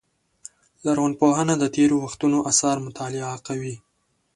لرغونپوهنه د تېرو وختونو آثار مطالعه کوي.